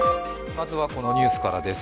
まずはこのニュースからです。